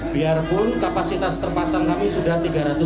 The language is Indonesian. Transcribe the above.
biarpun kapasitas terpasang kami sudah tiga ratus lima puluh lima